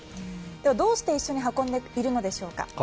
では、どうして一緒に運んでいるのでしょうか。